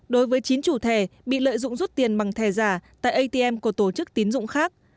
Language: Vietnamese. đối với chín chủ thẻ bị lợi dụng rút tiền bằng thẻ giả tại atm của tổ chức tín dụng khác